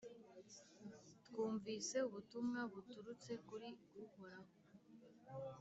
twumvise ubutumwa buturutse kuri uhoraho,